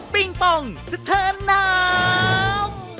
ปิงปองเสถ็นน้ำ